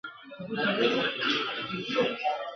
چي په سترګو ورته ګورم په پوهېږم ..